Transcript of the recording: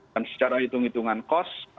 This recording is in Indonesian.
dan secara hitung hitungan kos